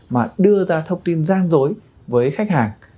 mà đưa ra thông tin gian dối với khách hàng